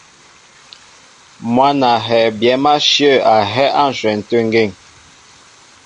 Mwǎn a hɛɛ byɛ̌m áshyə̂ a hɛ́ á ǹshwɛn tê ŋgeŋ.